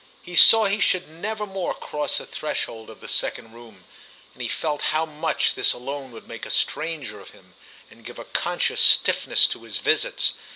He saw he should never more cross the threshold of the second room, and he felt how much this alone would make a stranger of him and give a conscious stiffness to his visits.